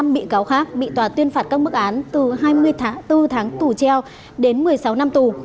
một mươi năm bị cáo khác bị tòa tuyên phạt các mức án từ hai mươi bốn tháng tù treo đến một mươi sáu năm tù